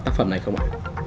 tác phẩm này không ạ